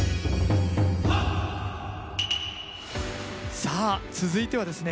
さあ続いてはですね